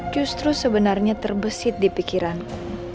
justru sebenarnya terbesit di pikiranku